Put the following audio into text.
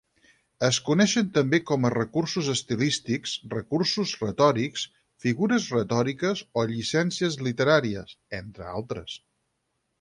Es coneixen també com recursos estilístics, recursos retòrics, figures retòriques, o llicències literàries, entre altres.